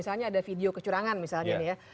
misalnya ada video kecurangan misalnya